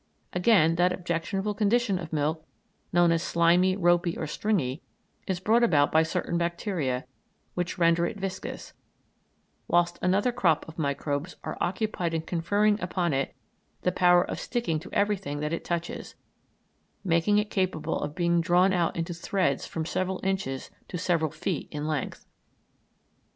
Again, that objectionable condition of milk known as slimy, ropy, or stringy, is brought about by certain bacteria which render it viscous; whilst another crop of microbes are occupied in conferring upon it the power of sticking to everything that touches it, making it capable of being drawn out into threads from several inches to several feet in length.